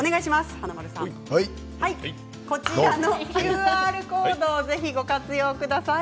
華丸さん、こちらのＱＲコードをぜひご活用ください。